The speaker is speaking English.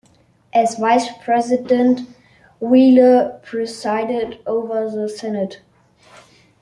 As Vice President, Wheeler presided over the Senate.